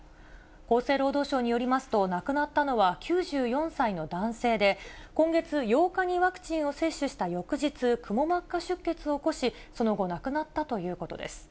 厚生労働省によりますと、亡くなったのは９４歳の男性で、今月８日にワクチンを接種した翌日、くも膜下出血を起こし、その後、亡くなったということです。